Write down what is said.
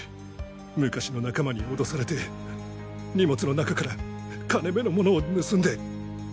昔の仲間に脅されて荷物の中から金目のものを盗んで。